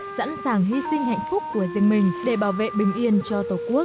sẵn sàng hy sinh hạnh phúc của riêng mình để bảo vệ bình yên cho tổ quốc